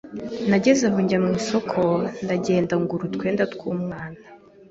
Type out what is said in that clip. Nageze aho njya mu isoko ndagenda ngura utwenda tw’umwana